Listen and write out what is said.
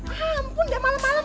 ampun dia malem malem